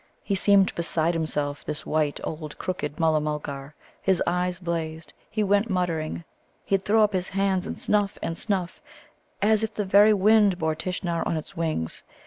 He seemed beside himself, this white, old, crooked Mulla mulgar. His eyes blazed; he went muttering; he'd throw up his hands and snuff and snuff, as if the very wind bore Tishnar on its wings.